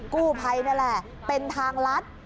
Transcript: กู้ไพนั่นแหละเป็นทางลัด